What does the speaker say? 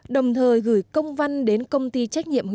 đồng thời gửi công văn đến công ty trách nhiệm hữu